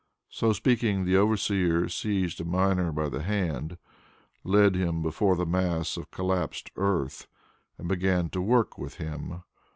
So speaking, the overseer seized a miner by the hand, led him before the mass of collapsed earth and began to work with him.